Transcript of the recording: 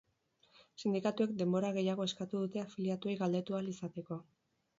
Sindikatuek denbora gehiago eskatu dute afiliatuei galdetu ahal izateko.